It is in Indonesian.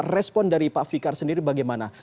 respon dari pak fikar sendiri bagaimana